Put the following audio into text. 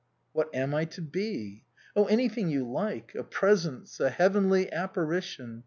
"What am I to be?" "Oh, anything you like. A presence. A heavenly apparition.